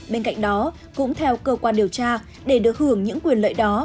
bên cạnh đó cũng theo cơ quan điều tra để được hưởng những quyền lợi đó